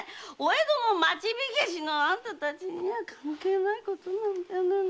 江戸の町火消しのあんた達には関係ないことなんじゃないの？